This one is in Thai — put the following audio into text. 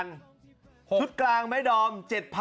ทรุปกลางแม้ดอม๗๐๐๐